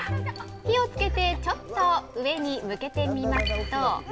火をつけてちょっと上に向けてみますと。